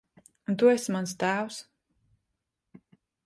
Un tu esi mans tēvs.